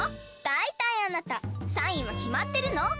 だいたいあなたサインはきまってるの？